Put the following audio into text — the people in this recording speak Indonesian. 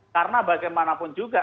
karena bagaimanapun juga